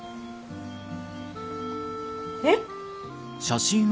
えっ！？